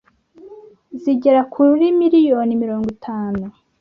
zigera kuri miliyoni mirongo itanu